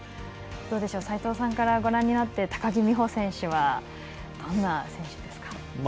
齋藤さんからご覧になって高木美帆選手はどんな選手ですか。